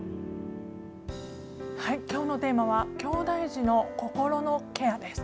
きょうのテーマはきょうだい児の心のケアです。